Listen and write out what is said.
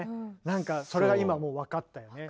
なんかそれが今もう分かったよね。